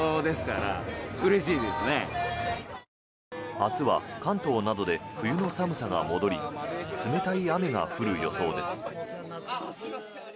明日は関東などで冬の寒さが戻り冷たい雨が降る予想です。